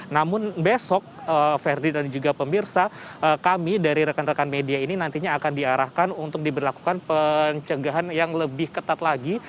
namun besok ferdi dan juga pemirsa kami dari rekan rekan media ini nantinya akan diarahkan untuk diberlakukan pencegahan yang lebih ketat lagi